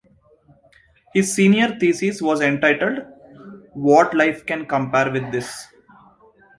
His senior thesis was entitled What Life Can Compare with This?